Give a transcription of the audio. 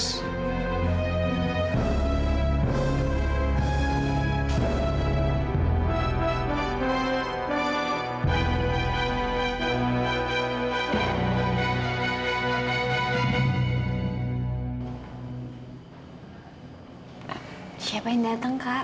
siapa yang datang kak